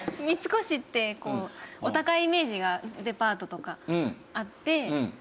三越ってお高いイメージがデパートとかあって。